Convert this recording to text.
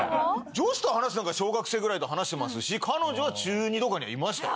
女子と話すなんか小学生ぐらいで話してますし彼女は中２とかにはいましたよ。